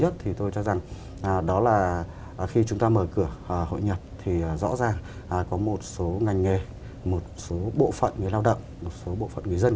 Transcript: thì tôi cho rằng đó là cái mất đầu tiên